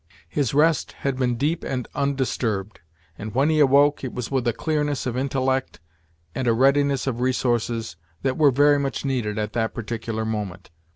His rest had been deep and undisturbed; and when he awoke, it was with a clearness of intellect and a readiness of resources that were very much needed at that particular moment.